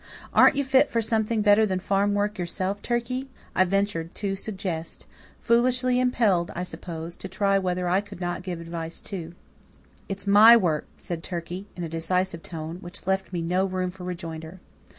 "Aren't you fit for something better than farm work yourself, Turkey?" I ventured to suggest, foolishly impelled, I suppose, to try whether I could not give advice too. "It's my work," said Turkey, in a decisive tone, which left me no room for rejoinder.